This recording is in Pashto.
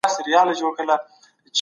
خپل فکر مو په منطق او دليلو جوړ کړئ.